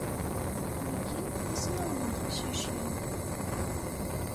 Wigi d isemawen n teqcicin